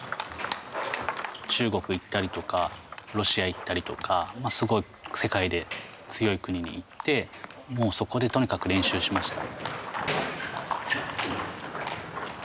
中国行ったりとかロシア行ったりとかすごい世界で強い国に行ってもうそこでとにかく練習しました。